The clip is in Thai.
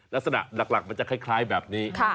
ลักษณะหลักมันจะคล้ายแบบนี้